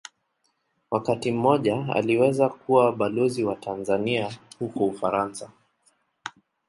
Wakati mmoja aliweza kuwa Balozi wa Tanzania huko Ufaransa.